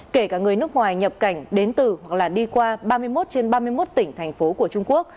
kể cả người nước ngoài nhập cảnh đến từ hoặc là đi qua ba mươi một trên ba mươi một tỉnh thành phố của trung quốc